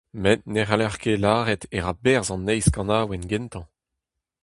Met ne c'heller ket lâret e ra berzh an eizh kanaouenn gentañ.